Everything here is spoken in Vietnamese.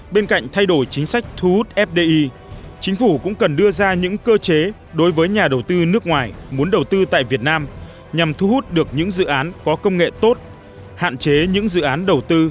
bên cạnh thay đổi chính sách thu hút fdi chính phủ cũng cần đưa ra những cơ chế đối với nhà đầu tư nước ngoài muốn đầu tư tại việt nam nhằm thu hút được những dự án có công nghệ tốt hạn chế những dự án đầu tư